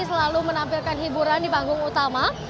selalu menampilkan hiburan di panggung utama